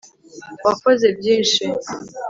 wakoze byinshi